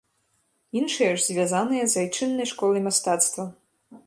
Іншыя ж звязаныя з айчыннай школай мастацтва.